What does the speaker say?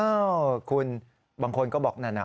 เออคุณบางคนก็บอกนั่นน่ะ